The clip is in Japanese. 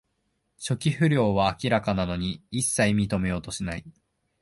初期不良は明らかなのに、いっさい認めようとしない